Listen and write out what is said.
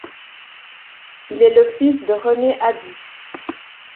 Il est le fils de René Haby.